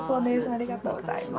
ありがとうございます。